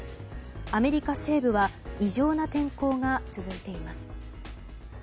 アメリカ西部は異常な天候が続いています。